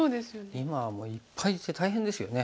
今はもういっぱいいて大変ですよね。